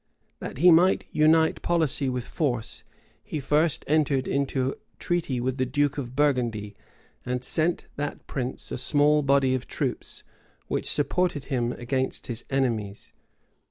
{1411.} That he might unite policy with force, he first entered into treaty with the duke of Burgundy, and sent that prince a small body of troops, which supported him against his enemies.